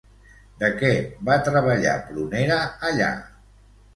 De què va treballar Prunera allà?